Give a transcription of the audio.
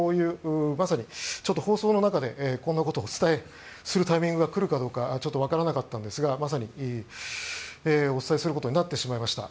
まさに放送の中で、こんなことをお伝えするタイミングが来るかどうか分からなかったんですがまさにお伝えすることになってしまいました。